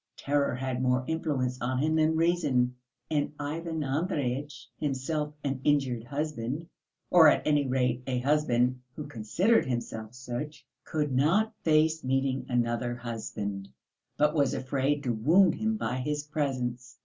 Terror had more influence on him than reason, and Ivan Andreyitch, himself an injured husband, or at any rate a husband who considered himself such, could not face meeting another husband, but was afraid to wound him by his presence.